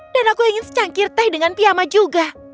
aku ingin secangkir teh dengan piyama juga